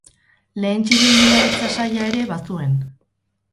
Lehen txirrindularitza saila ere bazuen.